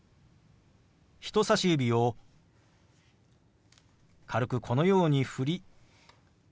人さし指を軽くこのように振りＷｈ